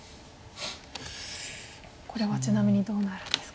これはちなみにどうなるんですか？